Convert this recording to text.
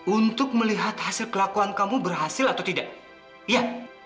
untuk melihat hasil kelakuan kamu berhasil atau tidak ya